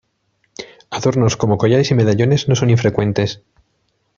Adornos, como collares y medallones, no son infrecuentes.